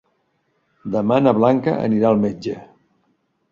Demà na Blanca anirà al metge.